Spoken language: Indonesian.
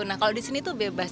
nah kalau di sini tuh bebas